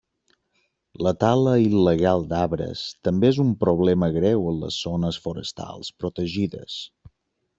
La tala il·legal d'arbres també és un problema greu en les zones forestals protegides.